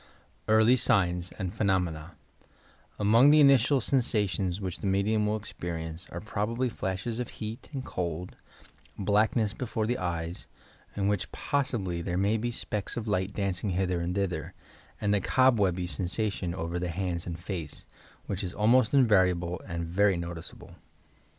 EAKLY SlflNB AND PHENOMENA Among the initial sensations which the medium will experience are, probably, flashes of heat and cold, black ness before the eyes (in which possibly there may be specks of light dancing hither and thither) and a "cob webby" sensation over the hands and face, which is al most invariable and very noticeable.